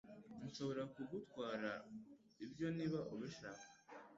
Nshobora kugutwara ibyo niba ubishaka.